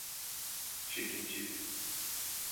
Çekici…